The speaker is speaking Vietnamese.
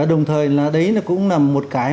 đồng thời đấy cũng là một cái